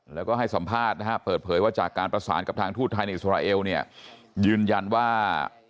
แล้วก็ให้สัมภาษณ์นะฮะเปิดเผยว่าจากการประสานกับทางทูตไทยในอิสราเอลเนี่ยยืนยันว่า